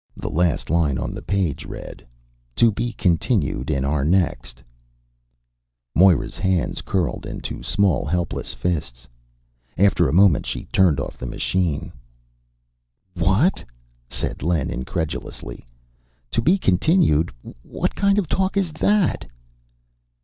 The last line on the page read: TO BE CONTINUED IN OUR NEXT Moira's hands curled into small helpless fists. After a moment, she turned off the machine. "What?" said Len incredulously. "To be continued what kind of talk is that?"